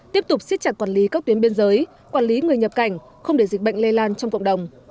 tiếp tục xích chặt quản lý các tuyến biên giới quản lý người nhập cảnh không để dịch bệnh lây lan trong cộng đồng